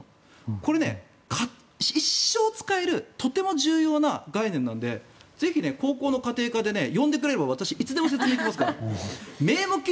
これ、一生使えるとても重要な概念なのでぜひ、高校の家庭科で呼んでくれればいつでも説明するから。